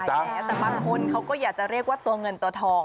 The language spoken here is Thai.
แต่บางคนเขาก็อยากจะเรียกว่าตัวเงินตัวทอง